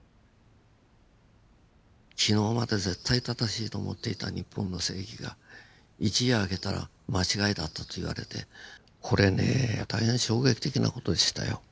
昨日まで絶対正しいと思っていた日本の正義が一夜明けたら間違いだったと言われてこれねえ大変衝撃的な事でしたよ。